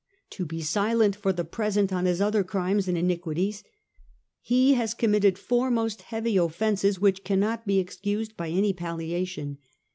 " To be silent for the present on his other crimes and iniquities, he has committed four most heavy offences, which cannot be excused by any palliation.